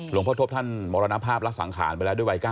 หลวงพ่อทบท่านมรณภาพละสังขารไปแล้วด้วยวัย๙